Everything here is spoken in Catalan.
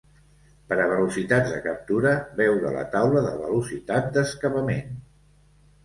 Per a velocitats de captura veure la taula de velocitat d'escapament.